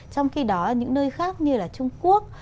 trong khi đó những nơi khác như là trung quốc